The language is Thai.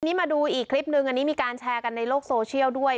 นี่มาดูอีกคลิปนึงอันนี้มีการแชร์กันในโลกโซเชียลด้วย